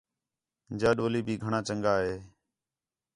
جا ڈولی بھی گھݨاں چَنڳا ہِے